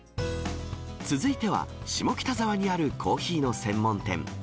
続いては、下北沢にあるコーヒーの専門店。